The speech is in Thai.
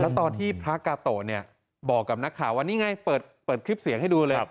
แล้วตอนที่พระกาโตะเนี่ยบอกกับนักข่าวว่านี่ไงเปิดคลิปเสียงให้ดูเลย